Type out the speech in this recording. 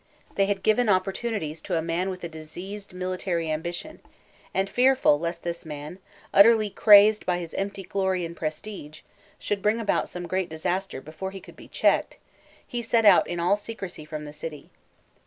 They had given opportunities to a man with a diseased military ambition, and fearful lest this man, utterly crazed by his empty glory and prestige, should bring about some great disaster before he could be checked, he set out in all secrecy from the city.